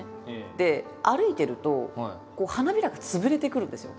で歩いてると花びらが潰れてくるんですよ。